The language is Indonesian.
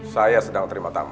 saya sedang terima kasih